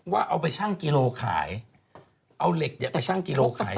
ว่าเอาไปชั่งกิโลขายเอาเหล็กเนี่ยไปชั่งกิโลขาย